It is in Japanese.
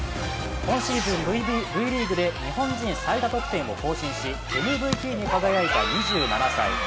今シーズンＶリーグで日本人最多得点を更新しＭＶＰに輝いた２７歳。